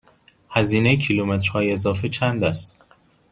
هزینه کیلومترهای اضافه چند است؟